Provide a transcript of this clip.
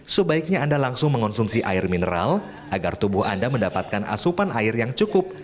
sebaiknya anda langsung mengonsumsi air mineral agar tubuh anda mendapatkan asupan air yang cukup